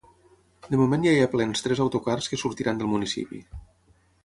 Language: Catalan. De moment ja hi ha plens tres autocars que sortiran del municipi.